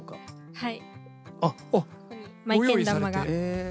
はい。